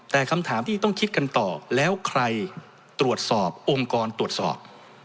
แต่คำถามที่ต้องคิดกันต่อแล้วใครตรวจสอบองค์กรตรวจสอบ